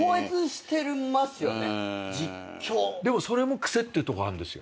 でもそれも癖っていうとこあるんですよ。